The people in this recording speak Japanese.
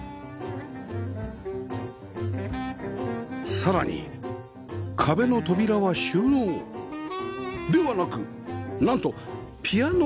さらに壁の扉は収納ではなくなんとピアノが収まっていました